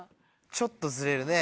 ちょっとずれるね。